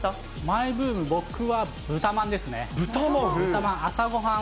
マイブーム、僕は豚まんです豚まん？